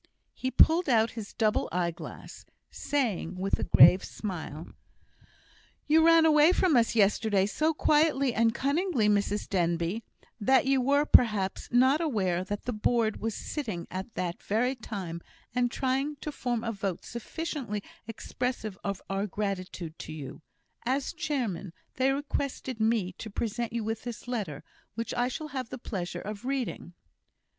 He pulled out his double eye glass, saying, with a grave smile: "You ran away from us yesterday so quietly and cunningly, Mrs Denbigh, that you were, perhaps, not aware that the Board was sitting at that very time, and trying to form a vote sufficiently expressive of our gratitude to you. As Chairman, they requested me to present you with this letter, which I shall have the pleasure of reading."